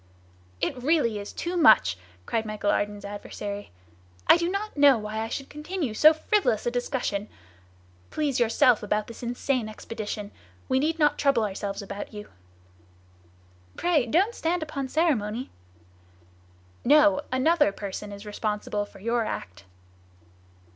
"It really is too much!" cried Michel Ardan's adversary. "I do not know why I should continue so frivolous a discussion! Please yourself about this insane expedition! We need not trouble ourselves about you!" "Pray don't stand upon ceremony!" "No! another person is responsible for your act."